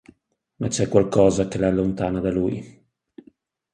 Ma c'è qualcosa che la allontana da lui.